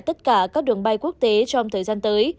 tất cả các đường bay quốc tế trong thời gian tới